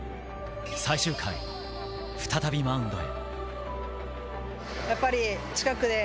最終回、再びマウンドへ。